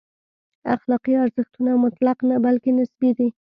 اخلاقي ارزښتونه مطلق نه، بلکې نسبي دي.